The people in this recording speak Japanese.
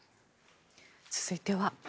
続いては。